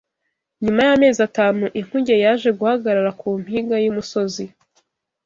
Nyuma y’amezi atanu inkuge yaje guhagarara ku mpinga y’umusozi